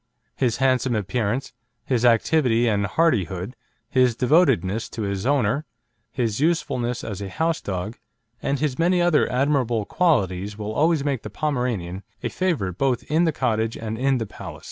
His handsome appearance, his activity, and hardihood, his devotedness to his owner, his usefulness as a housedog, and his many other admirable qualities will always make the Pomeranian a favourite both in the cottage and in the palace.